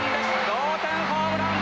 同点ホームラン。